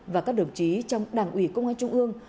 và các đồng chí trong đảng ủy công an trung ương